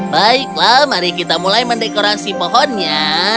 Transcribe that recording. baiklah mari kita mulai mendekorasi pohonnya